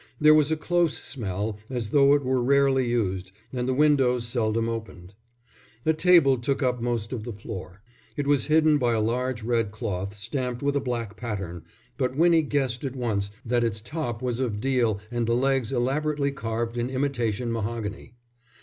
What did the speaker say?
There was a close smell as though it were rarely used and the windows seldom opened. A table took up most of the floor; it was hidden by a large red cloth, stamped with a black pattern, but Winnie guessed at once that its top was of deal and the legs elaborately carved in imitation mahogany.